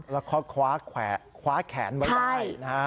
แล้วเขาคว้าแขนไว้ด้วย